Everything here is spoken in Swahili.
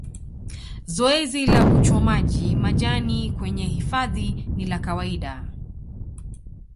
Zoezi la uchomaji majani kwenye hifadhi ni la kawaida